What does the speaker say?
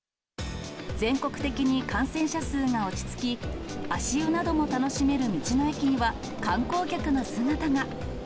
全国的に感染者数が落ち着き、足湯なども楽しめる道の駅には、観光客の姿が。